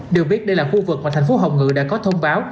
được biết đây là khu vực mà thành phố hồng ngự đã có thông báo